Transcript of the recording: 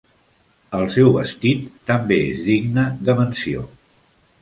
El seu vestit també és digne de menció.